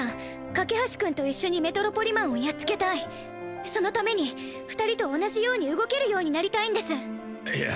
架橋君と一緒にメトロポリマンをやっつけたいそのために２人と同じように動けるようになりたいんですいや